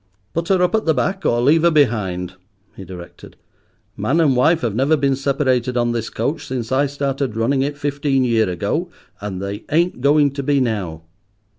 "Put her up at the back, or leave her behind," he directed. "Man and wife have never been separated on this coach since I started running it fifteen year ago, and they ain't going to be now."